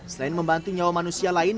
selain membantu nyawa manusia lain